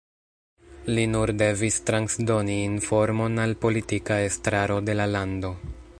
Li nur devis transdoni informon al politika estraro de la lando.